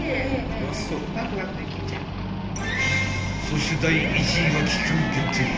［そして第１位は期間限定］